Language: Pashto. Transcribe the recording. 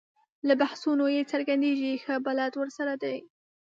له بحثونو یې څرګندېږي ښه بلد ورسره دی.